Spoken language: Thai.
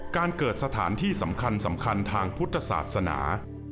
การเกิดสถานที่สำคัญทางพุทธศาสนา